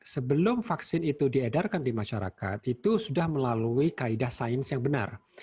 sebelum vaksin itu diedarkan di masyarakat itu sudah melalui kaedah sains yang benar